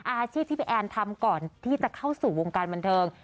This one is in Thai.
อาชีพที่พี่แอนทำก่อนที่จะเข้าสู่วงการบันเทิง